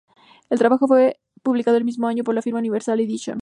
El trabajo fue publicado el mismo año por la Firma Universal Edition.